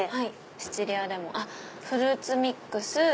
「シチリアレモン」「フルーツミックス」。